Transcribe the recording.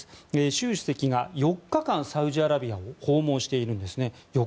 習主席が４日間サウジアラビアを訪問しているんですね。